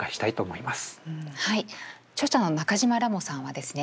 はい著者の中島らもさんはですね